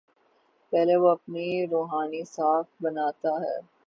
پہلے وہ اپنی روحانی ساکھ بناتا ہے۔